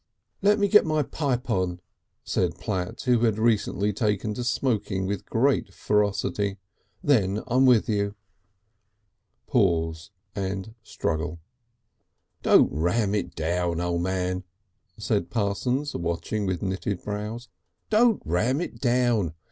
"Lemme get my pipe on," said Platt, who had recently taken to smoking with great ferocity. "Then I'm with you." Pause and struggle. "Don't ram it down, O' Man," said Parsons, watching with knitted brows. "Don't ram it down.